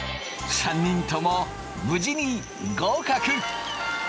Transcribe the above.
３人とも無事に合格。